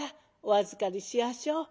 お預かりしやしょう。